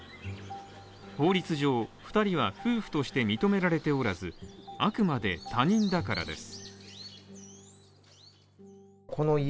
法律上、２人は夫婦として認められておらず、あくまで他人だからです。